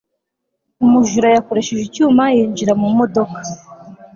umujura yakoresheje icyuma cyinjira mu modoka